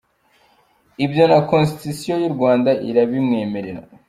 Ibyo na constitution y’u Rwanda irabimwemerera.